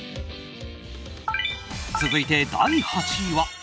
続いて第８位は。